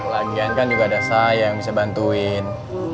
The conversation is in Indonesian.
lagian kan juga ada saya yang bisa bantuin